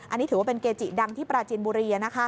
อันนี้ถือว่าเป็นเกจิดังที่ปราจินบุรี